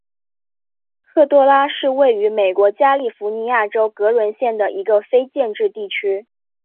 科多拉是位于美国加利福尼亚州格伦县的一个非建制地区。